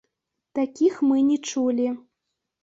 Такіх мы не чулі.